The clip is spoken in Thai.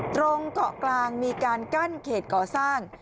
ตรงเกาะกลางมีการกั้นเขตก่อสร้าง